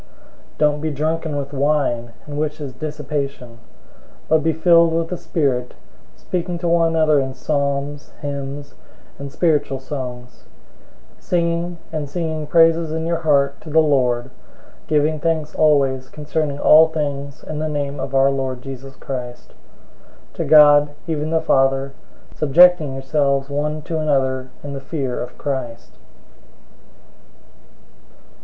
005:018 Don't be drunken with wine, in which is dissipation, but be filled with the Spirit, 005:019 speaking to one another in psalms, hymns, and spiritual songs; singing, and singing praises in your heart to the Lord; 005:020 giving thanks always concerning all things in the name of our Lord Jesus Christ, to God, even the Father; 005:021 subjecting yourselves one to another in the fear of Christ.